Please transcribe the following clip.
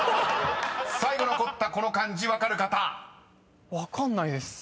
［最後残ったこの漢字分かる方］分かんないです。